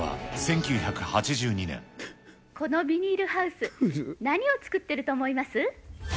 このビニールハウス、何を作ってると思います？